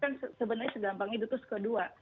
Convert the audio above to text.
kan sebenarnya segampangnya itu tuh seke dua